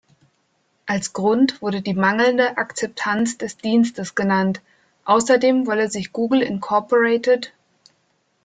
Als Grund wurde die mangelnde Akzeptanz des Dienstes genannt, außerdem wolle sich Google Inc.